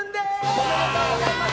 おめでとうございます。